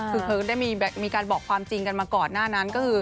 คือเขาได้มีการบอกความจริงกันมาก่อนหน้านั้นก็คือ